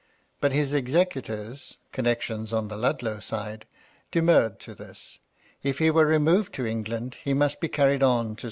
But his executors, — con nections on the Ludlow side,— demurred to this. If he were removed to England, he must be carried on to MY LADY LUDLOW.